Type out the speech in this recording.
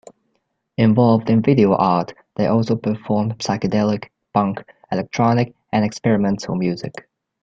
Involved in video art, they also performed psychedelic, punk, electronic and experimental music.